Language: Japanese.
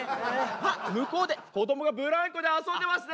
あっ向こうで子どもがブランコで遊んでますね。